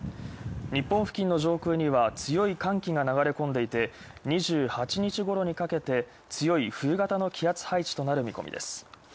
日本付近の上空には強い寒気が流れ込んでいて、２８日ごろにかけて強い冬型の気圧配置となる見込みです。